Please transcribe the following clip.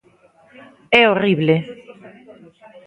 É horrible.